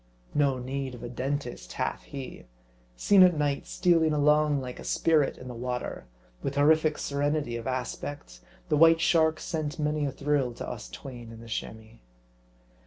No need of a dentist hath he. Seen at night, stealing along like a spirit in the water, with horrific serenity of aspect, the White Shark sent many a thrill to us twain in the Chamois.